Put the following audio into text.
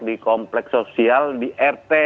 di komplek sosial di rt